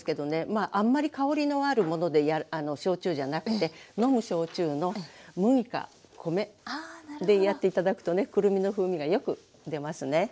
まああんまり香りのあるもので焼酎じゃなくて飲む焼酎の麦か米でやって頂くとねくるみの風味がよく出ますね。